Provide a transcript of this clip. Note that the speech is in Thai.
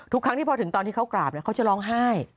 ทุกครั้งที่พอถึงตอนที่เขากราบเขาจะร้องไห้